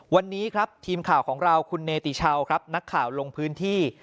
วันนี้ครับทีมข่าวของเราคุณเนติชาวครับนักข่าวลงพื้นที่